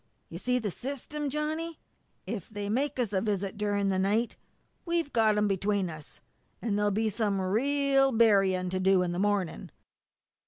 You see the system, Johnny? If they make us a visit during the night we've got 'em between us, and there'll be some real burying to do in the morning!"